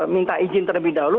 minta izin terlebih dahulu